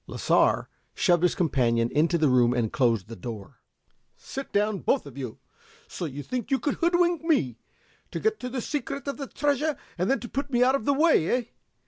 Lasar shoved his companion into the room and closed the door. "Sit down, both of you! So you thought to hoodwink me to get the secret of the treasure and then put me out of the way, eh?